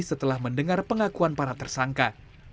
setelah mendengar pengakuan para tersangka